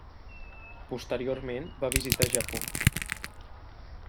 Posteriorment va visitar Japó.